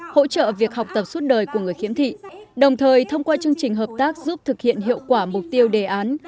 hỗ trợ việc học tập suốt đời của người khiếm thị đồng thời thông qua chương trình hợp tác giúp thực hiện hiệu quả mục tiêu đề án